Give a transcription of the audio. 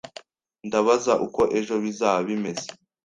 Ndabaza uko ejo bizaba bimeze